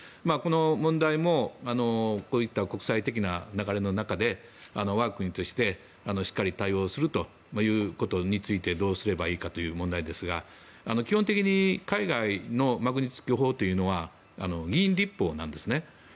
この問題もこういった国際的な流れの中で我が国としてしっかり対応していくということについてどうすればいいかという問題ですが基本的に海外のマグニツキー法というのは議員立法なんですね。